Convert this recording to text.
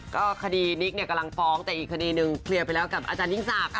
ก็คดีนิกเนี่ยกำลังฟ้องแต่อีกคดีหนึ่งเคลียร์ไปแล้วกับอาจารยิ่งศักดิ์